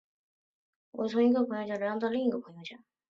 我从一个朋友家流浪到另一个朋友家。